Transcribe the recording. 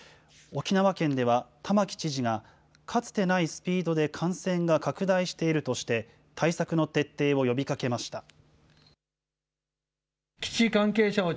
沖縄県では、玉城知事がかつてないスピードで感染が拡大しているとして、対策の徹底を呼びかけました。